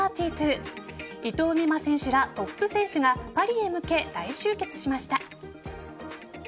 伊藤美誠選手らトップ選手がパリへ向け、大集結しました。